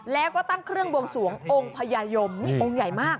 แล้วก็ตั้งเครื่องบวงสวงองค์พญายมนี่องค์ใหญ่มาก